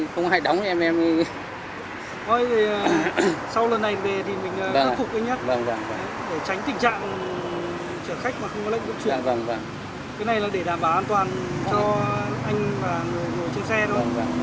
cái này là để đảm bảo an toàn cho anh và người chơi xe thôi